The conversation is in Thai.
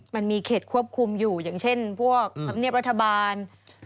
มันมีเขตควบคุมอยู่อย่างเช่นพวกธรรมเนียบรัฐบาล